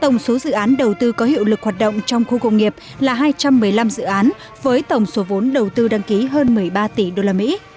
tổng số dự án đầu tư có hiệu lực hoạt động trong khu công nghiệp là hai trăm một mươi năm dự án với tổng số vốn đầu tư đăng ký hơn một mươi ba tỷ đô la mỹ